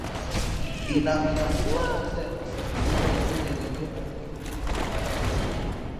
inakupa fursa ya kusikiliza yaliojadiliwa katika kipindi cha mwaka huu